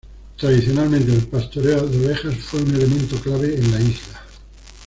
Tradicionalmente, el pastoreo de ovejas fue un elemento clave en la isla.